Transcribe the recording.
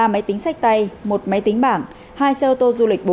ba máy tính sách tay một máy tính bảng hai xe ô tô du lịch